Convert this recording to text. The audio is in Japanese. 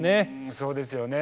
そうですよね。